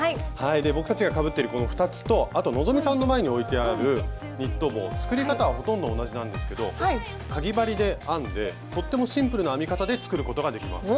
で僕たちがかぶってるこの２つとあと希さんの前に置いてあるニット帽作り方はほとんど同じなんですけどかぎ針で編んでとってもシンプルな編み方で作ることができます。